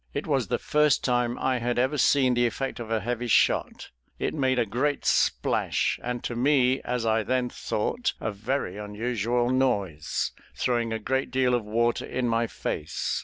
It was the first time I had ever seen the effect of a heavy shot; it made a great splash, and to me as I then thought, a very unusual noise, throwing a great deal of water in my face.